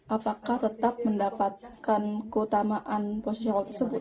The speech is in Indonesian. apakah tetap mendapatkan keutamaan puasa syawal tersebut